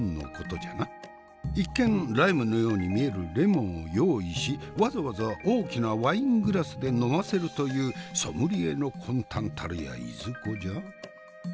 一見ライムのように見えるレモンを用意しわざわざ大きなワイングラスで呑ませるというソムリエの魂胆たるやいずこじゃ？